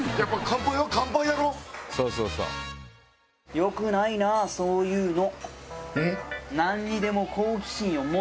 よくないなそういうの。